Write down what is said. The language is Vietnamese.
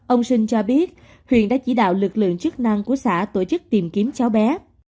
ông sinh cho biết huyện đã chỉ đạo lực lượng chức năng của xã tổ chức tìm kiếm cháu bé